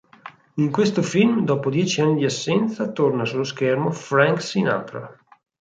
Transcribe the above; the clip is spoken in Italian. In questo film, dopo dieci anni di assenza, torna sullo schermo Frank Sinatra.